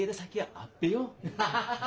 アハハハ！